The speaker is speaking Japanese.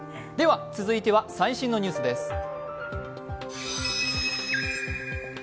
続いては最新のニュースです。